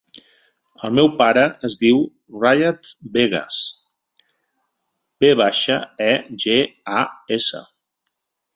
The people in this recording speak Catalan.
El meu pare es diu Riyad Vegas: ve baixa, e, ge, a, essa.